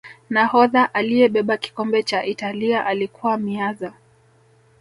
nahodha aliyebeba kikombe cha italia alikuwa Meazza